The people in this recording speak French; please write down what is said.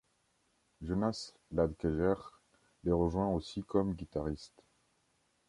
Jonas Ladekjaer les rejoint aussi comme guitariste.